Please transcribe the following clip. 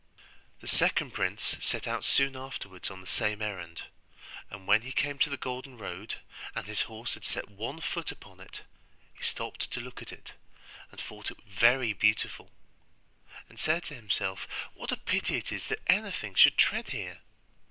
The second prince set out soon afterwards on the same errand; and when he came to the golden road, and his horse had set one foot upon it, he stopped to look at it, and thought it very beautiful, and said to himself, 'What a pity it is that anything should tread here!